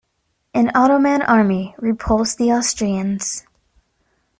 An Ottoman army repulsed the Austrians.